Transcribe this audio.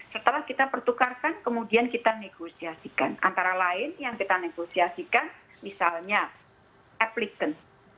setelah kita pertukarkan kemudian kita negosiasikan antara lain yang kita negosiasikan misalnya applictant